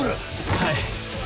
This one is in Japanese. はい。